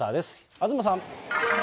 東さん。